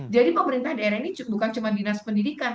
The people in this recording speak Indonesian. jadi pemerintah daerah ini bukan cuma dinas pendidikan